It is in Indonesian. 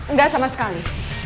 nggak sama sekali